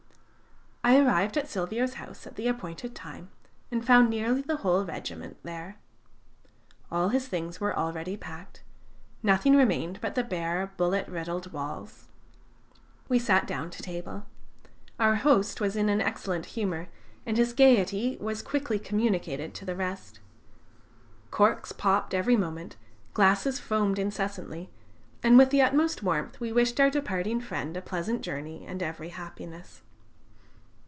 I arrived at Silvio's house at the appointed time, and found nearly the whole regiment there. All his things were already packed; nothing remained but the bare, bullet riddled walls. We sat down to table. Our host was in an excellent humor, and his gayety was quickly communicated to the rest. Corks popped every moment, glasses foamed incessantly, and, with the utmost warmth, we wished our departing friend a pleasant journey and every happiness.